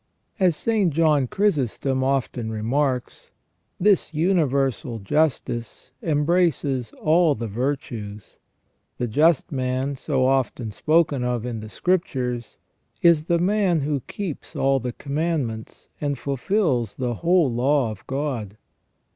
As St. John Chrysostom often remarks, this universal justice embraces all the virtues. The just man, so often spoken of in the Scriptures, is the man who keeps all the commandments and fulfils the whole law of God.